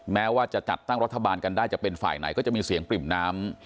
แม้ว่าจะจัดตั้งรัฐบาลกันได้จะเป็นฝ่ายไหนก็จะมีเสียงปริ่มน้ำ